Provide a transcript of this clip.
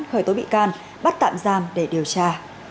khởi tố bị can bắt tạm giam để điều tra